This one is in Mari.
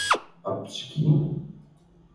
Апчки!..